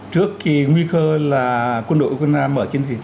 trước cái nguy cơ là quân đội ukraine mở chiến dịch